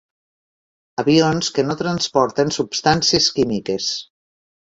Avions que no transporten substàncies químiques.